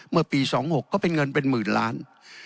เมื่อปี๒๖ก็เป็นเงินเป็นหมื่นล้าน